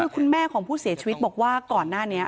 คุณแม่ของผู้เสียชีวิตบอกว่าก่อนหน้านี้